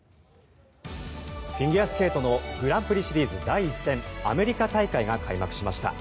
フィギュアスケートのグランプリシリーズ第１戦アメリカ大会が開幕しました。